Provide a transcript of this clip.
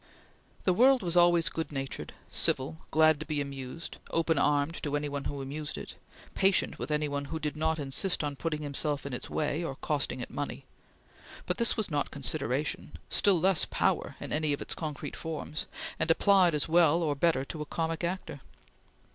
The world was always good natured; civil; glad to be amused; open armed to any one who amused it; patient with every one who did not insist on putting himself in its way, or costing it money; but this was not consideration, still less power in any of its concrete forms, and applied as well or better to a comic actor.